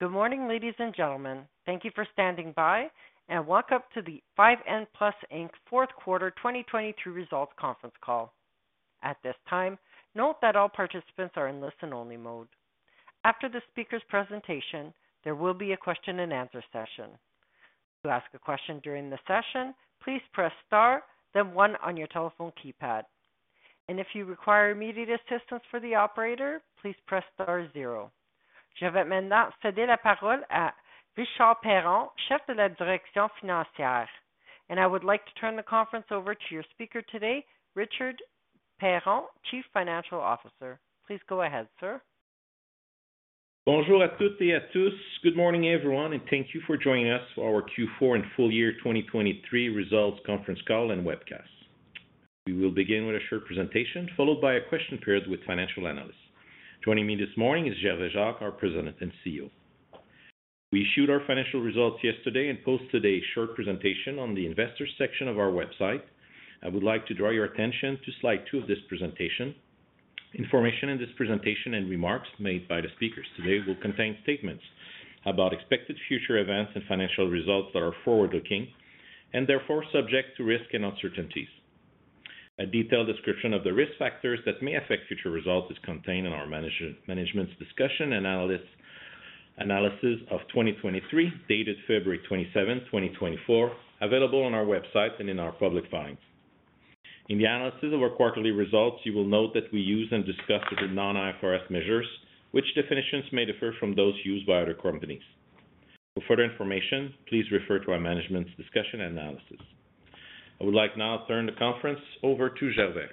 Good morning, ladies and gentlemen. Thank you for standing by and welcome to the 5N Plus Inc. fourth quarter 2023 results conference call. At this time, note that all participants are in listen-only mode. After the speaker's presentation, there will be a question-and-answer session. To ask a question during the session, please press star then 1 on your telephone keypad. If you require immediate assistance for the operator, please press star 0. Je vais maintenant céder la parole à Richard Perron, chef de la direction financière. I would like to turn the conference over to your speaker today, Richard Perron, Chief Financial Officer. Please go ahead, sir. Bonjour à toutes et à tous. Good morning, everyone, and thank you for joining us for our Q4 and full year 2023 results conference call and webcast. We will begin with a short presentation, followed by a question period with financial analysts. Joining me this morning is Gervais Jacques, our President and CEO. We issued our financial results yesterday and posted a short presentation on the investors section of our website. I would like to draw your attention to slide 2 of this presentation. Information in this presentation and remarks made by the speakers today will contain statements about expected future events and financial results that are forward-looking and therefore subject to risk and uncertainties. A detailed description of the risk factors that may affect future results is contained in our management's discussion and analysis of 2023, dated February 27, 2024, available on our website and in our public filings. In the analysis of our quarterly results, you will note that we use and discuss the non-IFRS measures, which definitions may differ from those used by other companies. For further information, please refer to our Management's Discussion and Analysis. I would like now to turn the conference over to Gervais.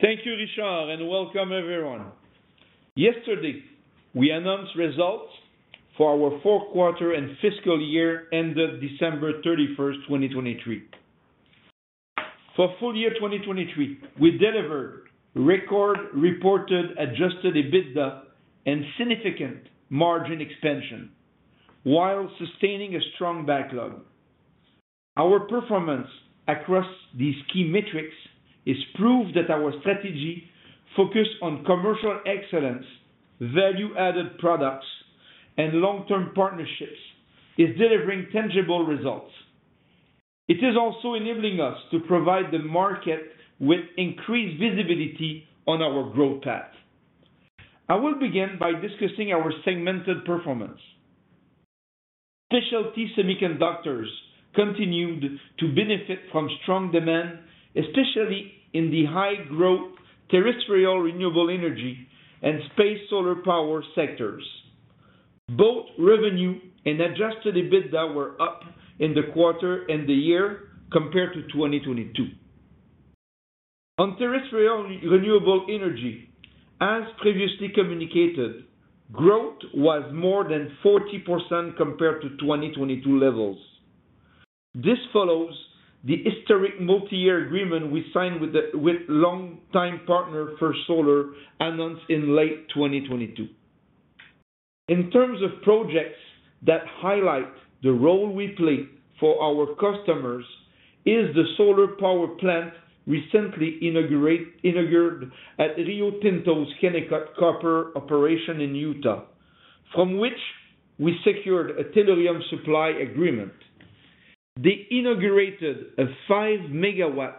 Thank you, Richard, and welcome, everyone. Yesterday, we announced results for our fourth quarter and fiscal year ended December 31, 2023. For full year 2023, we delivered record reported Adjusted EBITDA and significant margin expansion, while sustaining a strong backlog. Our performance across these key metrics is proof that our strategy, focused on commercial excellence, value-added products, and long-term partnerships, is delivering tangible results. It is also enabling us to provide the market with increased visibility on our growth path. I will begin by discussing our segmented performance. Specialty Semiconductors continued to benefit from strong demand, especially in the high-growth terrestrial renewable energy and space solar power sectors. Both revenue and Adjusted EBITDA were up in the quarter and the year compared to 2022. On terrestrial renewable energy, as previously communicated, growth was more than 40% compared to 2022 levels. This follows the historic multi-year agreement we signed with long-time partner First Solar announced in late 2022. In terms of projects that highlight the role we play for our customers, is the solar power plant recently inaugurated at Rio Tinto's Kennecott copper operation in Utah, from which we secured a tellurium supply agreement. They inaugurated a 5-megawatt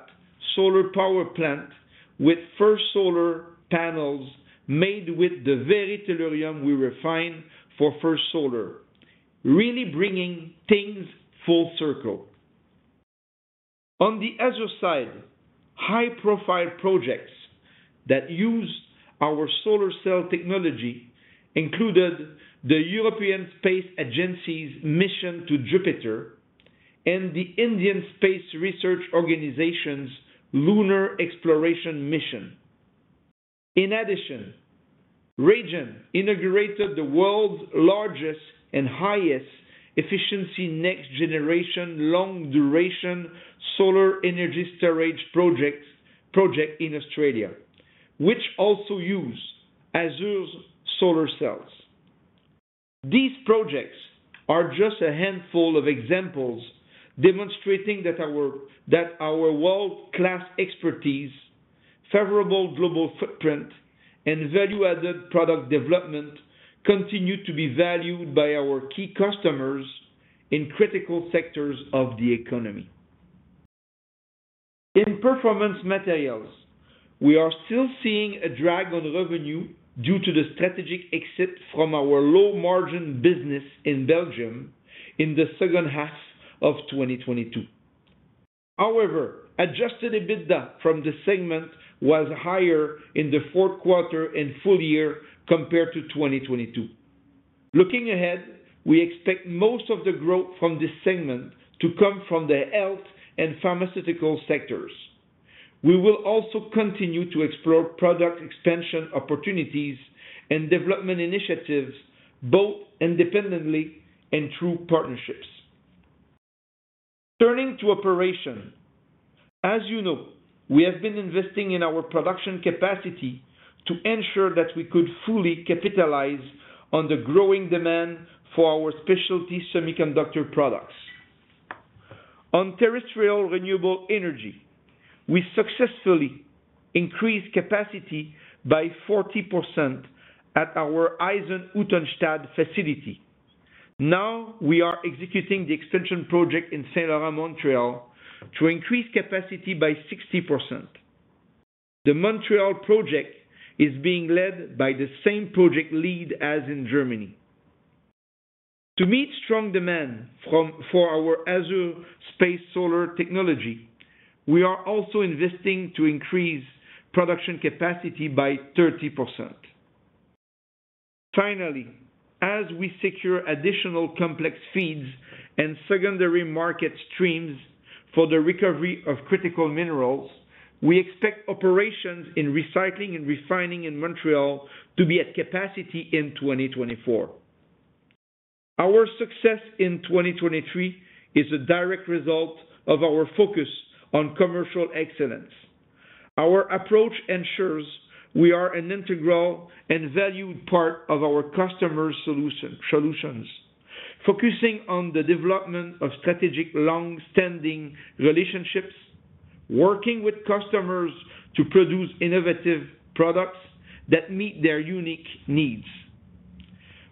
solar power plant with First Solar panels made with the very tellurium we refine for First Solar, really bringing things full circle. On the other side, high-profile projects that use our solar cell technology included the European Space Agency's mission to Jupiter and the Indian Space Research Organisation's Lunar Exploration Mission. In addition, RayGen inaugurated the world's largest and highest efficiency next-generation long-duration solar energy storage project in Australia, which also uses AZUR's solar cells. These projects are just a handful of examples demonstrating that our world-class expertise, favorable global footprint, and value-added product development continue to be valued by our key customers in critical sectors of the economy. In Performance Materials, we are still seeing a drag on revenue due to the strategic exit from our low-margin business in Belgium in the second half of 2022. However, Adjusted EBITDA from this segment was higher in the fourth quarter and full year compared to 2022. Looking ahead, we expect most of the growth from this segment to come from the health and pharmaceutical sectors. We will also continue to explore product expansion opportunities and development initiatives, both independently and through partnerships. Turning to operation, as you know, we have been investing in our production capacity to ensure that we could fully capitalize on the growing demand for our specialty semiconductor products. On terrestrial renewable energy, we successfully increased capacity by 40% at our Eisenhüttenstadt facility. Now we are executing the expansion project in Saint-Laurent, Montréal, to increase capacity by 60%. The Montréal project is being led by the same project lead as in Germany. To meet strong demand for our AZUR space solar technology, we are also investing to increase production capacity by 30%. Finally, as we secure additional complex feeds and secondary market streams for the recovery of critical minerals, we expect operations in recycling and refining in Montréal to be at capacity in 2024. Our success in 2023 is a direct result of our focus on commercial excellence. Our approach ensures we are an integral and valued part of our customer solutions, focusing on the development of strategic long-standing relationships, working with customers to produce innovative products that meet their unique needs.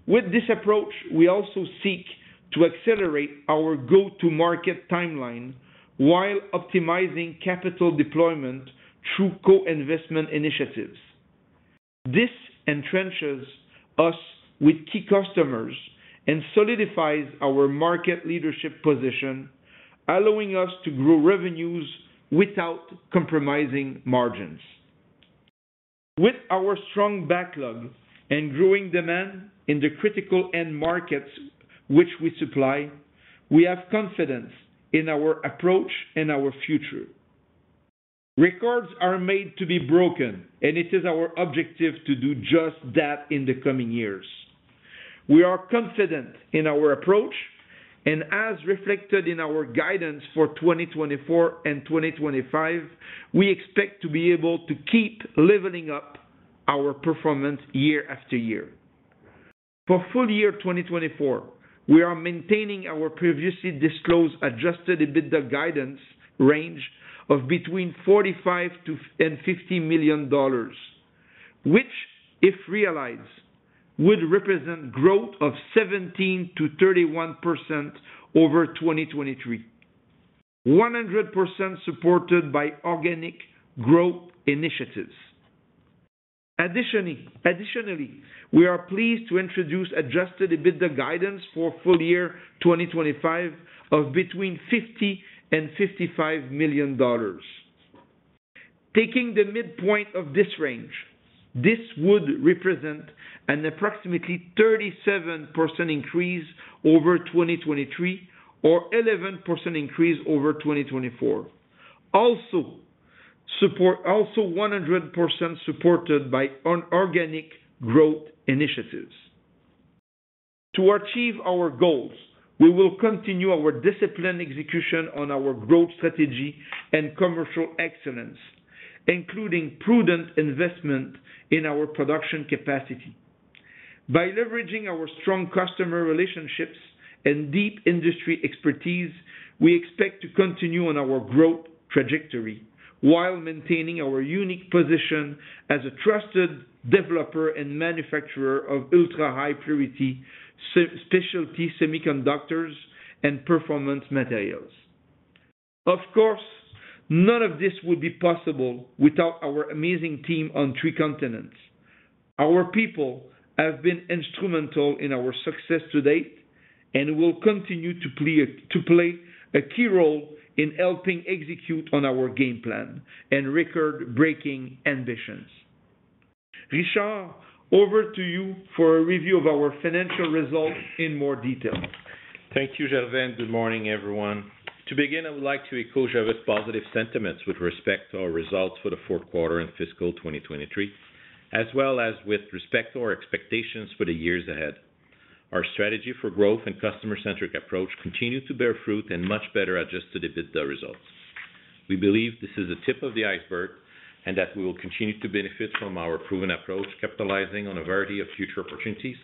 With this approach, we also seek to accelerate our go-to-market timeline while optimizing capital deployment through co-investment initiatives. This entrenches us with key customers and solidifies our market leadership position, allowing us to grow revenues without compromising margins. With our strong backlog and growing demand in the critical end markets which we supply, we have confidence in our approach and our future. Records are made to be broken, and it is our objective to do just that in the coming years. We are confident in our approach, and as reflected in our guidance for 2024 and 2025, we expect to be able to keep leveling up our performance year-after-year. For full year 2024, we are maintaining our previously disclosed Adjusted EBITDA guidance range of between $45 million and $50 million, which, if realized, would represent growth of 17%-31% over 2023, 100% supported by organic growth initiatives. Additionally, we are pleased to introduce Adjusted EBITDA guidance for full year 2025 of between $50 million and $55 million. Taking the midpoint of this range, this would represent an approximately 37% increase over 2023 or 11% increase over 2024, also 100% supported by organic growth initiatives. To achieve our goals, we will continue our disciplined execution on our growth strategy and commercial excellence, including prudent investment in our production capacity. By leveraging our strong customer relationships and deep industry expertise, we expect to continue on our growth trajectory while maintaining our unique position as a trusted developer and manufacturer of ultra-high purity specialty semiconductors and performance materials. Of course, none of this would be possible without our amazing team on three continents. Our people have been instrumental in our success to date and will continue to play a key role in helping execute on our game plan and record-breaking ambitions. Richard, over to you for a review of our financial results in more detail. Thank you, Gervais. Good morning, everyone. To begin, I would like to echo Gervais positive sentiments with respect to our results for the fourth quarter and fiscal 2023, as well as with respect to our expectations for the years ahead. Our strategy for growth and customer-centric approach continue to bear fruit and much better Adjusted EBITDA results. We believe this is the tip of the iceberg and that we will continue to benefit from our proven approach, capitalizing on a variety of future opportunities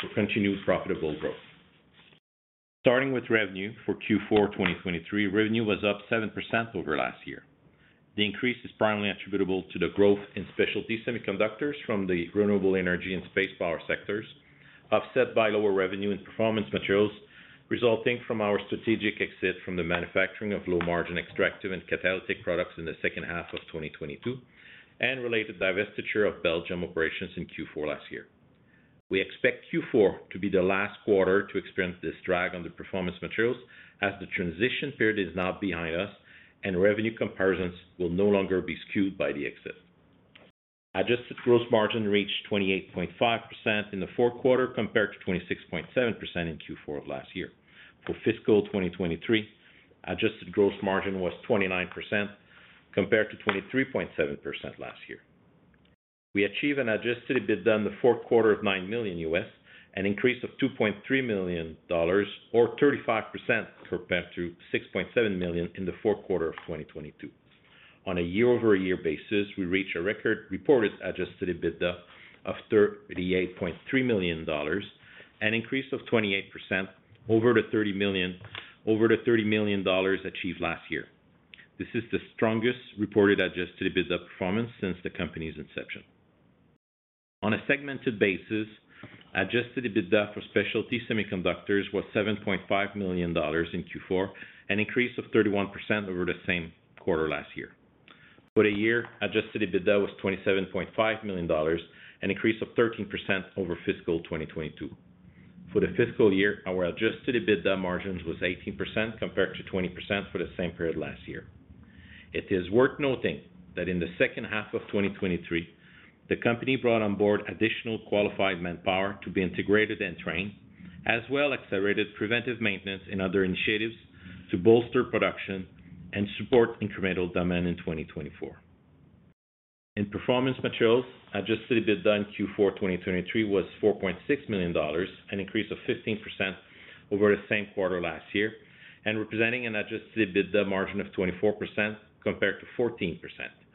for continued profitable growth. Starting with revenue for Q4 2023, revenue was up 7% over last year. The increase is primarily attributable to the growth in specialty semiconductors from the renewable energy and space power sectors, offset by lower revenue in performance materials resulting from our strategic exit from the manufacturing of low-margin extractive and catalytic products in the second half of 2022, and related divestiture of Belgium operations in Q4 last year. We expect Q4 to be the last quarter to experience this drag on the performance materials as the transition period is now behind us and revenue comparisons will no longer be skewed by the exit. Adjusted gross margin reached 28.5% in the fourth quarter compared to 26.7% in Q4 of last year. For fiscal 2023, adjusted gross margin was 29% compared to 23.7% last year. We achieved an Adjusted EBITDA in the fourth quarter of $9 million and an increase of $2.3 million or 35% compared to $6.7 million in the fourth quarter of 2022. On a year-over-year basis, we reach a record reported Adjusted EBITDA of $38.3 million and an increase of 28% over the $30 million achieved last year. This is the strongest reported Adjusted EBITDA performance since the company's inception. On a segmented basis, Adjusted EBITDA for Specialty Semiconductors was $7.5 million in Q4, an increase of 31% over the same quarter last year. For the year, Adjusted EBITDA was $27.5 million and an increase of 13% over fiscal 2022. For the fiscal year, our Adjusted EBITDA margins were 18% compared to 20% for the same period last year. It is worth noting that in the second half of 2023, the company brought on board additional qualified manpower to be integrated and trained, as well as accelerated preventive maintenance and other initiatives to bolster production and support incremental demand in 2024. In Performance Materials, Adjusted EBITDA in Q4 2023 was $4.6 million, an increase of 15% over the same quarter last year, and representing an Adjusted EBITDA margin of 24% compared to 14%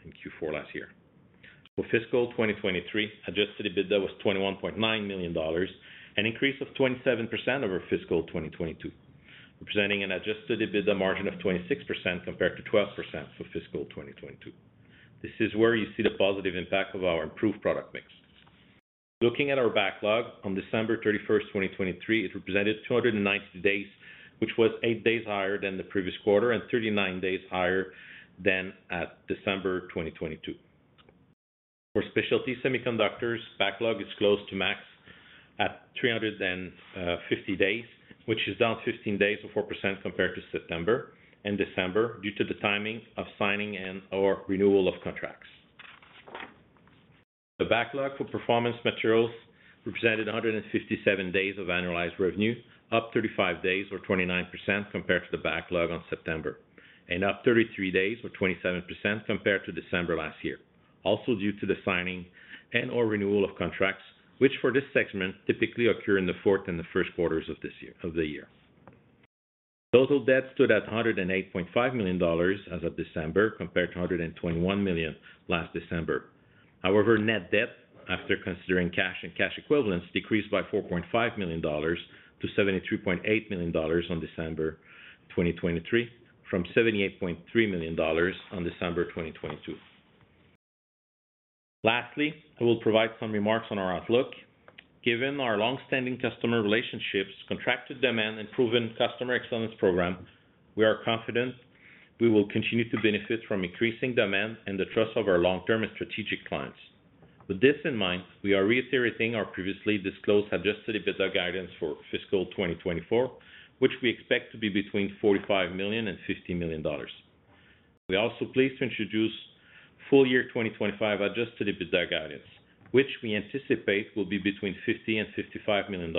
in Q4 last year. For fiscal 2023, Adjusted EBITDA was $21.9 million, an increase of 27% over fiscal 2022, representing an Adjusted EBITDA margin of 26% compared to 12% for fiscal 2022. This is where you see the positive impact of our improved product mix. Looking at our backlog on December 31, 2023, it represented 290 days, which was eight days higher than the previous quarter and 39 days higher than at December 2022. For Specialty Semiconductors, backlog is close to max at 350 days, which is down 15 days or 4% compared to September and December due to the timing of signing and/or renewal of contracts. The backlog for Performance Materials represented 157 days of annualized revenue, up 35 days or 29% compared to the backlog on September, and up 33 days or 27% compared to December last year, also due to the signing and/or renewal of contracts, which for this segment typically occur in the fourth and the first quarters of the year. Total debt stood at $108.5 million as of December compared to $121 million last December. However, net debt, after considering cash and cash equivalents, decreased by $4.5 million to $73.8 million on December 2023 from $78.3 million on December 2022. Lastly, I will provide some remarks on our outlook. Given our longstanding customer relationships, contracted demand, and proven customer excellence program, we are confident we will continue to benefit from increasing demand and the trust of our long-term and strategic clients. With this in mind, we are reiterating our previously disclosed Adjusted EBITDA guidance for fiscal 2024, which we expect to be between $45-$50 million. We are also pleased to introduce full year 2025 Adjusted EBITDA guidance, which we anticipate will be between $50-$55 million.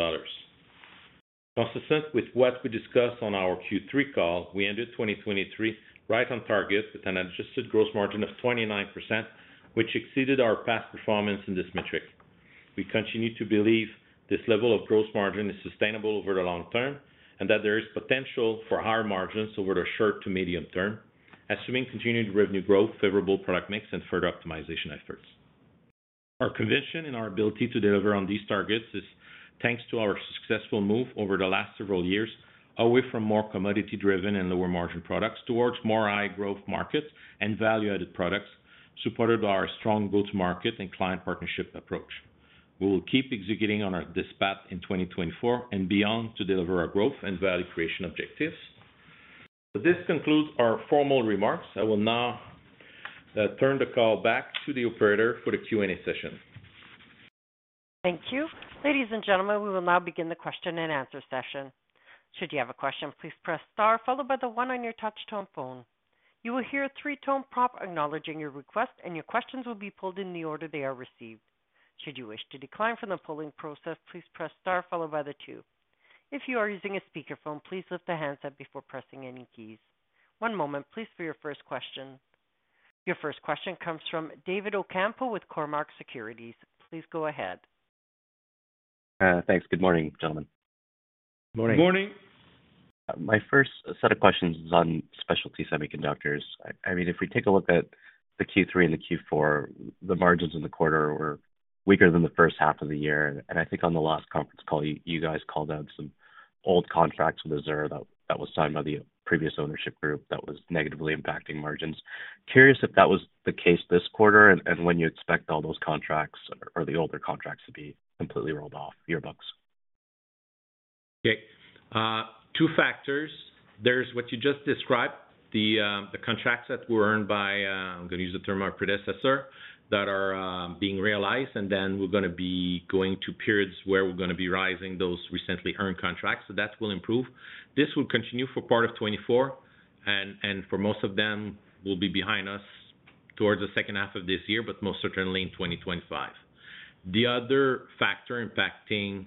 Consistent with what we discussed on our Q3 call, we ended 2023 right on target with an Adjusted Gross Margin of 29%, which exceeded our past performance in this metric. We continue to believe this level of gross margin is sustainable over the long term and that there is potential for higher margins over the short to medium term, assuming continued revenue growth, favorable product mix, and further optimization efforts. Our conviction in our ability to deliver on these targets is thanks to our successful move over the last several years away from more commodity-driven and lower-margin products towards more high-growth markets and value-added products, supported by our strong go-to-market and client partnership approach. We will keep executing on our dispatch in 2024 and beyond to deliver our growth and value creation objectives. With this concludes our formal remarks. I will now turn the call back to the operator for the Q&A session. Thank you. Ladies and gentlemen, we will now begin the question and answer session. Should you have a question, please press star followed by the one on your touchscreen phone. You will hear a three-tone prompt acknowledging your request, and your questions will be pulled in the order they are received. Should you wish to decline from the polling process, please press star followed by the two. If you are using a speakerphone, please lift the handset before pressing any keys. One moment, please, for your first question. Your first question comes from David Ocampo with Cormark Securities. Please go ahead. Thanks. Good morning, gentlemen. Good morning. Good morning. My first set of questions was on specialty semiconductors. I mean, if we take a look at the Q3 and the Q4, the margins in the quarter were weaker than the first half of the year. I think on the last conference call, you guys called out some old contracts with AZUR that were signed by the previous ownership group that were negatively impacting margins. Curious if that was the case this quarter and when you expect all those contracts or the older contracts to be completely rolled off your books? Okay. Two factors. There's what you just described, the contracts that were earned by, I'm going to use the term of our predecessor, that are being realized, and then we're going to be going to periods where we're going to be rising those recently earned contracts. So that will improve. This will continue for part of 2024, and for most of them, we'll be behind us towards the second half of this year, but most certainly in 2025. The other factor impacting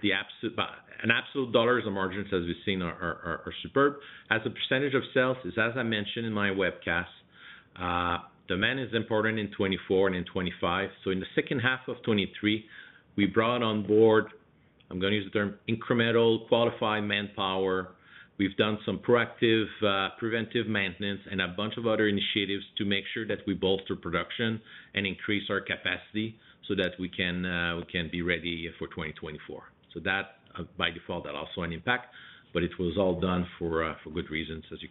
the absolute dollars of margins, as we've seen, are superb. As a percentage of sales, as I mentioned in my webcast, demand is important in 2024 and in 2025. So in the second half of 2023, we brought on board, I'm going to use the term, incremental qualified manpower. We've done some proactive preventive maintenance and a bunch of other initiatives to make sure that we bolster production and increase our capacity so that we can be ready for 2024. So by default, that also had an impact, but it was all done for good reasons, as you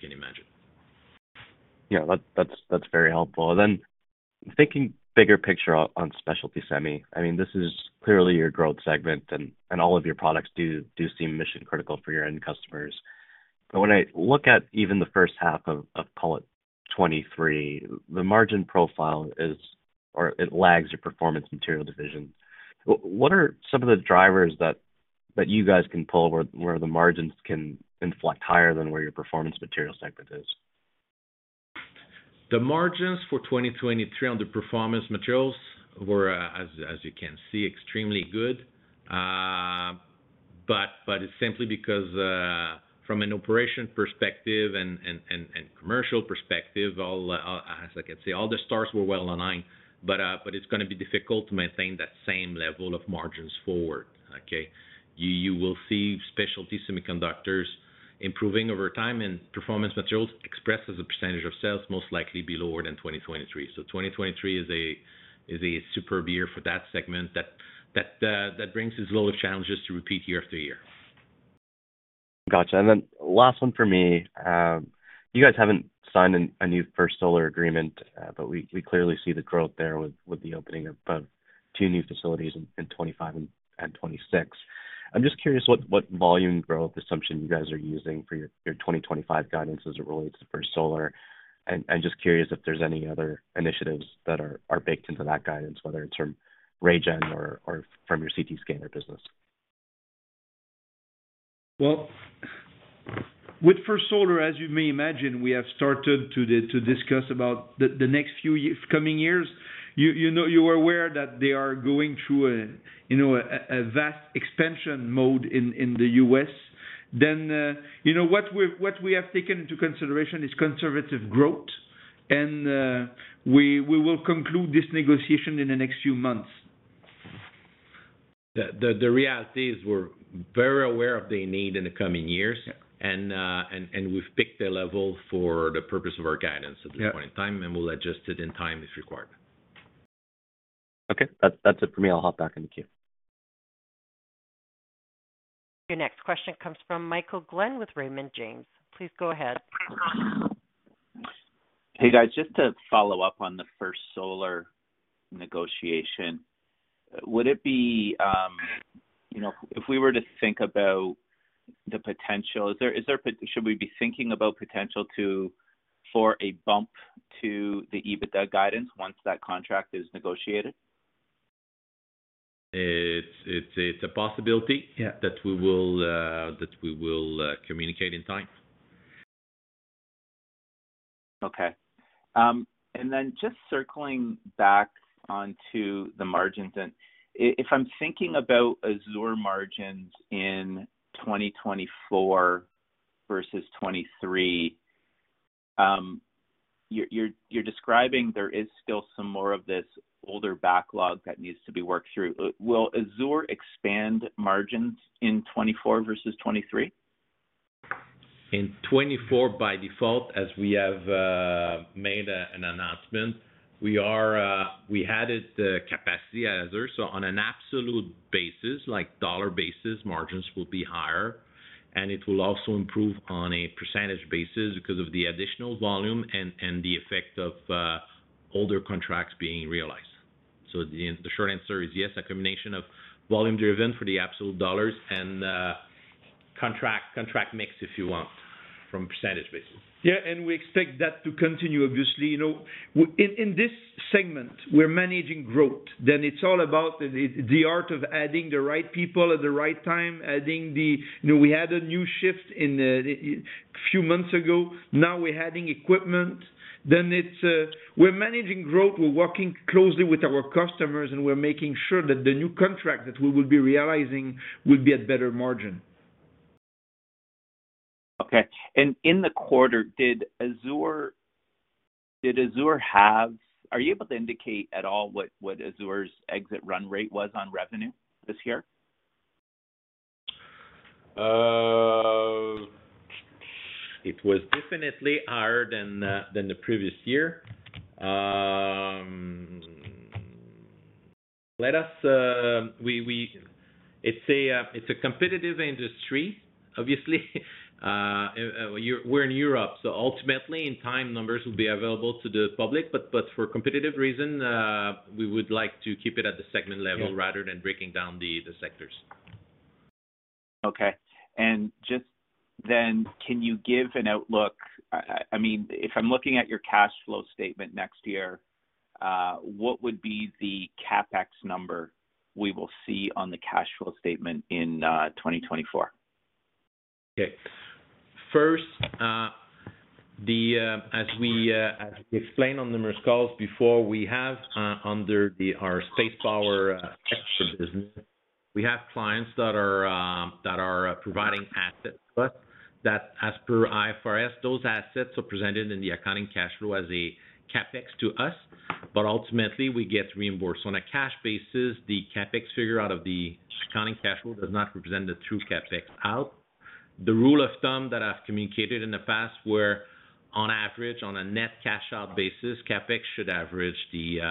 can imagine. Yeah, that's very helpful. And then thinking bigger picture on specialty semi, I mean, this is clearly your growth segment, and all of your products do seem mission-critical for your end customers. But when I look at even the first half of, call it, 2023, the margin profile is, or it lags your performance material division. What are some of the drivers that you guys can pull where the margins can inflect higher than where your performance material segment is? The margins for 2023 on the Performance Materials were, as you can see, extremely good. But it's simply because, from an operation perspective and commercial perspective, as I can say, all the stars were well aligned. But it's going to be difficult to maintain that same level of margins forward, okay? You will see Specialty Semiconductors improving over time, and Performance Materials expressed as a percentage of sales most likely be lower than 2023. So 2023 is a superb year for that segment that brings its load of challenges to repeat year after year. Gotcha. And then last one for me. You guys haven't signed a new First Solar agreement, but we clearly see the growth there with the opening of two new facilities in 2025 and 2026. I'm just curious what volume growth assumption you guys are using for your 2025 guidance as it relates to First Solar, and just curious if there's any other initiatives that are baked into that guidance, whether it's from RayGen or from your CT scanner business. Well, with First Solar, as you may imagine, we have started to discuss about the next few coming years. You are aware that they are going through a vast expansion mode in the U.S. What we have taken into consideration is conservative growth, and we will conclude this negotiation in the next few months. The reality is we're very aware of the need in the coming years, and we've picked a level for the purpose of our guidance at this point in time, and we'll adjust it in time if required. Okay. That's it for me. I'll hop back into queue. Your next question comes from Michael Glen with Raymond James. Please go ahead. Hey, guys. Just to follow up on the First Solar negotiation, would it be if we were to think about the potential, should we be thinking about potential for a bump to the EBITDA guidance once that contract is negotiated? It's a possibility that we will communicate in time. Okay. And then just circling back onto the margins, if I'm thinking about AZUR margins in 2024 versus 2023, you're describing there is still some more of this older backlog that needs to be worked through. Will AZUR expand margins in 2024 vs 2023? In 2024, by default, as we have made an announcement, we had the capacity at AZUR. So on an absolute basis, dollar basis, margins will be higher, and it will also improve on a percentage basis because of the additional volume and the effect of older contracts being realized. So the short answer is yes, a combination of volume-driven for the absolute dollars and contract mix, if you want, from a percentage basis. Yeah, and we expect that to continue, obviously. In this segment, we're managing growth. Then it's all about the art of adding the right people at the right time, and we had a new shift a few months ago. Now we're adding equipment. Then we're managing growth. We're working closely with our customers, and we're making sure that the new contracts that we will be realizing will be at better margin. Okay. And in the quarter, are you able to indicate at all what AZUR's exit run rate was on revenue this year? It was definitely higher than the previous year. It's a competitive industry, obviously. We're in Europe, so ultimately, in time, numbers will be available to the public. But for competitive reasons, we would like to keep it at the segment level rather than breaking down the sectors. Okay. And just then, can you give an outlook? I mean, if I'm looking at your cash flow statement next year, what would be the CapEx number we will see on the cash flow statement in 2024? Okay. First, as we explained on numerous calls before, we have under our Space Power sector business, we have clients that are providing assets to us that, as per IFRS, those assets are presented in the accounting cash flow as a CapEx to us, but ultimately, we get reimbursed. So on a cash basis, the CapEx figure out of the accounting cash flow does not represent the true CapEx out. The rule of thumb that I've communicated in the past where on average, on a net cash-out basis, CapEx should average the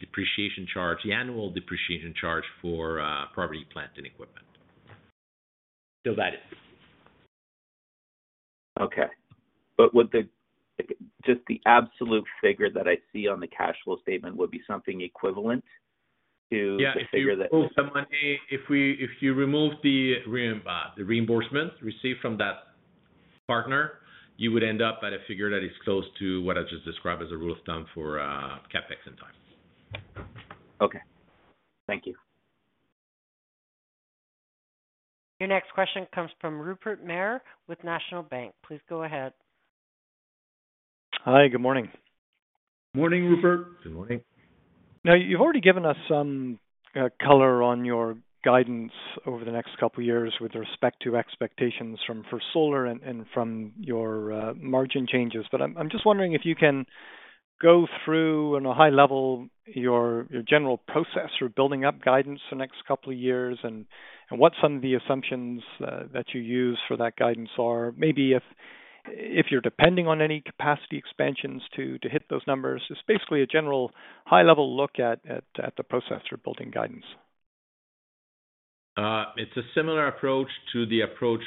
depreciation charge, the annual depreciation charge for property, plant, and equipment. Still valid. Okay. But would just the absolute figure that I see on the cash flow statement would be something equivalent to the figure that? Yeah. If you remove the reimbursement received from that partner, you would end up at a figure that is close to what I just described as a rule of thumb for CapEx in time. Okay. Thank you. Your next question comes from Rupert Merer with National Bank. Please go ahead. Hi. Good morning. Morning, Rupert. Good morning. Now, you've already given us some color on your guidance over the next couple of years with respect to expectations from First Solar and from your margin changes. But I'm just wondering if you can go through, on a high level, your general process for building up guidance the next couple of years and what some of the assumptions that you use for that guidance are, maybe if you're depending on any capacity expansions to hit those numbers. It's basically a general high-level look at the process for building guidance. It's a similar approach to the approach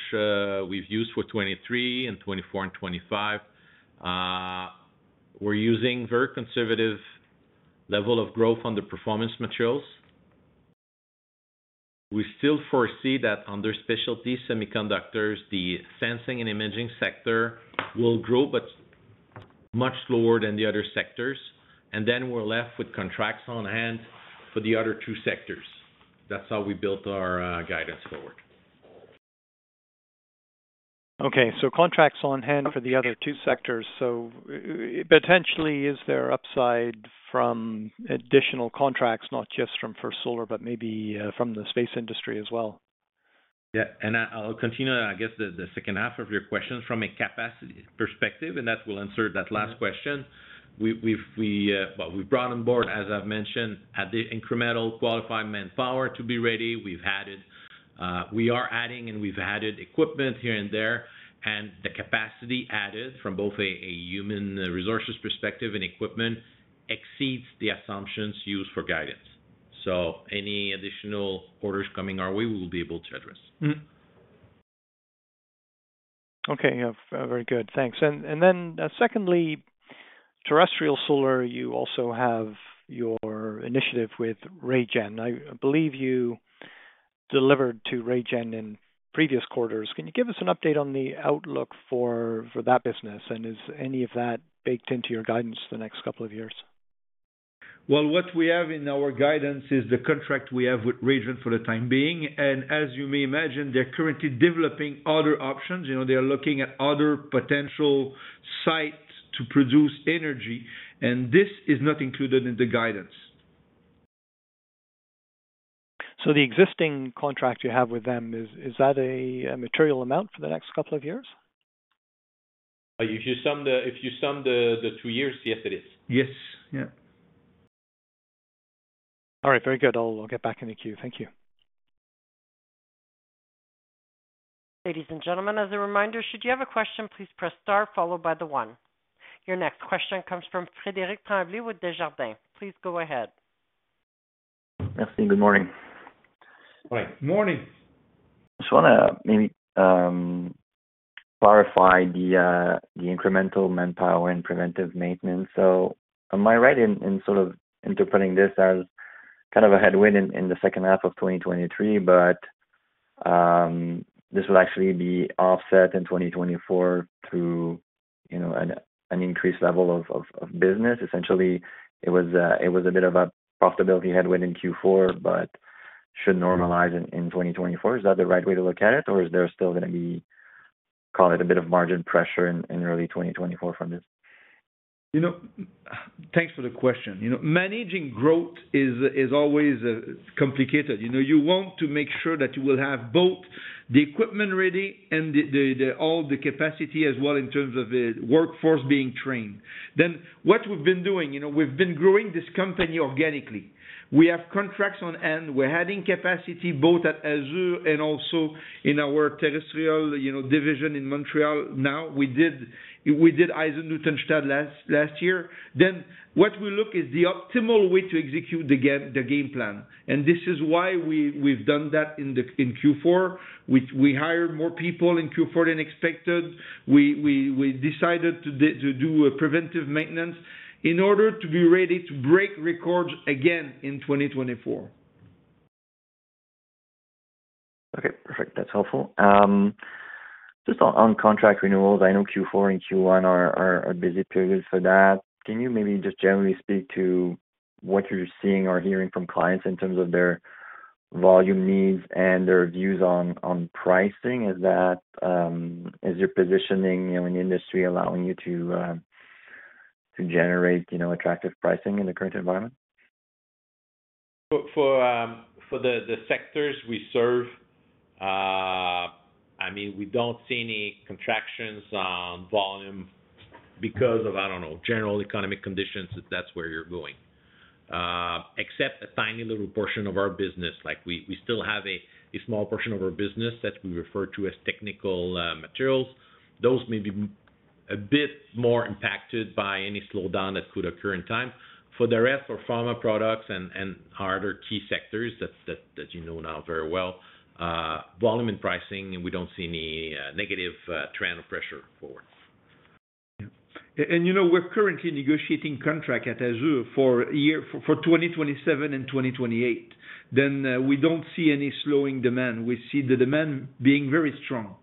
we've used for 2023 and 2024 and 2025. We're using a very conservative level of growth under Performance Materials. We still foresee that under Specialty Semiconductors, the sensing and imaging sector will grow, but much slower than the other sectors. And then we're left with contracts on hand for the other two sectors. That's how we built our guidance forward. Okay. So contracts on hand for the other two sectors. So potentially, is there upside from additional contracts, not just from First Solar, but maybe from the space industry as well? Yeah. And I'll continue, I guess, the second half of your questions from a capacity perspective, and that will insert that last question. Well, we've brought on board, as I've mentioned, the incremental qualified manpower to be ready. We are adding, and we've added equipment here and there. And the capacity added from both a human resources perspective and equipment exceeds the assumptions used for guidance. So any additional orders coming our way, we will be able to address. Okay. Yeah. Very good. Thanks. And then secondly, terrestrial solar, you also have your initiative with RayGen. I believe you delivered to RayGen in previous quarters. Can you give us an update on the outlook for that business? And is any of that baked into your guidance the next couple of years? Well, what we have in our guidance is the contract we have with RayGen for the time being. As you may imagine, they're currently developing other options. They are looking at other potential sites to produce energy, and this is not included in the guidance. The existing contract you have with them, is that a material amount for the next couple of years? If you sum the two years, yes, it is. Yes. Yeah. All right. Very good. I'll get back in the queue. Thank you. Ladies and gentlemen, as a reminder, should you have a question, please press star, followed by the one. Your next question comes from Frederic Tremblay with Desjardins. Please go ahead. Merci. Good morning. All right. Good morning. I just want to maybe clarify the incremental manpower and preventive maintenance. So am I right in sort of interpreting this as kind of a headwind in the second half of 2023, but this will actually be offset in 2024 through an increased level of business? Essentially, it was a bit of a profitability headwind in Q4, but should normalize in 2024. Is that the right way to look at it, or is there still going to be, call it, a bit of margin pressure in early 2024 from this? Thanks for the question. Managing growth is always complicated. You want to make sure that you will have both the equipment ready and all the capacity as well in terms of the workforce being trained. What we've been doing, we've been growing this company organically. We have contracts on hand. We're adding capacity both at AZUR and also in our terrestrial division in Montréal. Now, we did Eisenhüttenstadt last year. What we look at is the optimal way to execute the game plan. This is why we've done that in Q4. We hired more people in Q4 than expected. We decided to do preventive maintenance in order to be ready to break records again in 2024. Okay. Perfect. That's helpful. Just on contract renewals, I know Q4 and Q1 are busy periods for that. Can you maybe just generally speak to what you're seeing or hearing from clients in terms of their volume needs and their views on pricing? Is your positioning in the industry allowing you to generate attractive pricing in the current environment? For the sectors we serve, I mean, we don't see any contractions on volume because of, I don't know, general economic conditions. That's where you're going. Except a tiny little portion of our business, we still have a small portion of our business that we refer to as Technical Materials. Those may be a bit more impacted by any slowdown that could occur in time. For the rest of pharma products and other key sectors that you know now very well, volume and pricing, we don't see any negative trend or pressure forward. Yeah. We're currently negotiating contract at AZUR for 2027 and 2028. We don't see any slowing demand. We see the demand being very strong.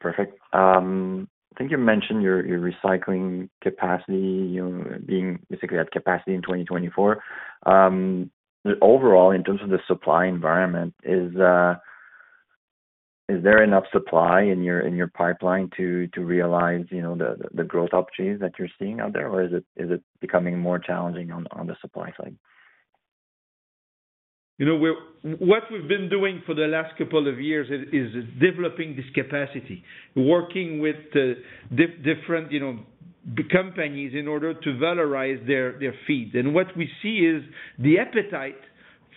Okay. Perfect. I think you mentioned your recycling capacity, being basically at capacity in 2024. Overall, in terms of the supply environment, is there enough supply in your pipeline to realize the growth opportunities that you're seeing out there, or is it becoming more challenging on the supply side? What we've been doing for the last couple of years is developing this capacity, working with different companies in order to valorize their feed. And what we see is the appetite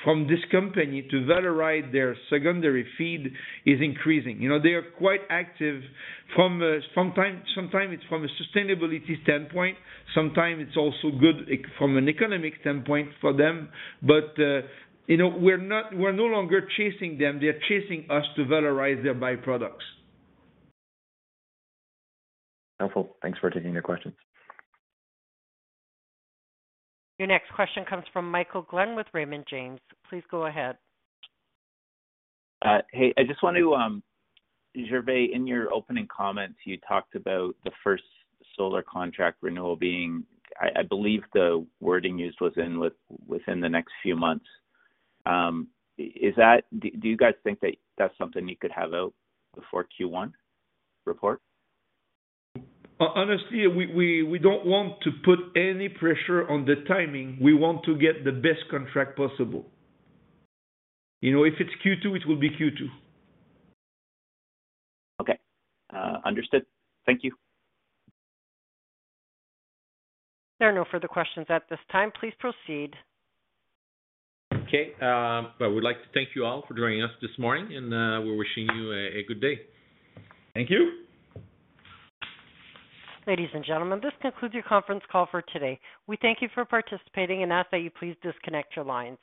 from this company to valorize their secondary feed is increasing. They are quite active. Sometimes it's from a sustainability standpoint. Sometimes it's also good from an economic standpoint for them. But we're no longer chasing them. They're chasing us to valorize their byproducts. Helpful. Thanks for taking the questions. Your next question comes from Michael Glen with Raymond James. Please go ahead. Hey. I just want to, Gervais, in your opening comments, you talked about the First Solar contract renewal being, I believe, the wording used was within the next few months. Do you guys think that that's something you could have out before Q1 report? Honestly, we don't want to put any pressure on the timing. We want to get the best contract possible. If it's Q2, it will be Q2. Okay. Understood. Thank you. There are no further questions at this time. Please proceed. Okay. Well, we'd like to thank you all for joining us this morning, and we're wishing you a good day. Thank you. Ladies and gentlemen, this concludes your conference call for today. We thank you for participating and ask that you please disconnect your lines.